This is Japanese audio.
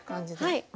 はい。